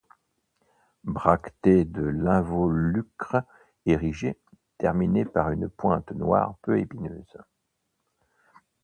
Bractées de l'involucre érigées, terminées par une pointe noire peu épineuse.